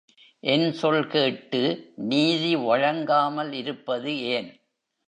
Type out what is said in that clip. என் சொல் கேட்டு நீதி வழங்காமல் இருப்பது ஏன்?